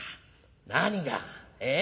何が？えっ？